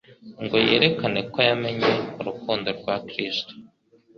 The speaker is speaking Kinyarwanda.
ngo yerekane ko yamenye urukundo rwa Kristo